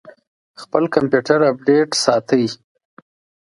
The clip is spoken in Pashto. خپل کمپیوټر اپډیټ ساتئ؟